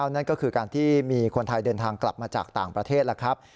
นั่นก็คือการที่มีคนไทยเดินทางกลับมาจากต่างประเทศแล้วครับ